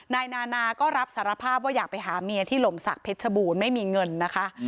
นายนานาก็รับสารภาพว่าอยากไปหาเมียที่หล่มศักดิชบูรณ์ไม่มีเงินนะคะ